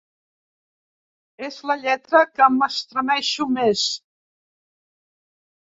És la lletra que m'estremeixo més.